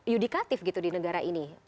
yudikatif gitu di negara ini